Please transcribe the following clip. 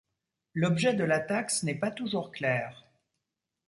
L'objet de la taxe n'est pas toujours clair.